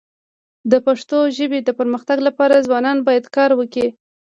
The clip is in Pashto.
د پښتو ژبي د پرمختګ لپاره ځوانان باید کار وکړي.